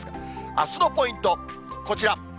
あすのポイント、こちら。